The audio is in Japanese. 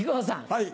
はい。